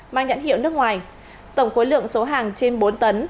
mang nhãn hiệu nước ngoài tổng khối lượng số hàng trên bốn tấn